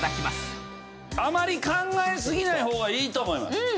あまり考えすぎない方がいいと思います。